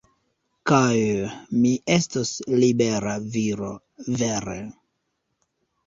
Kaj... mi estos libera viro, vere.